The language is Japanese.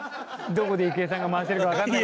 どこで郁恵さんが回してるかわかんない。